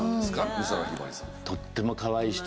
美空ひばりさん。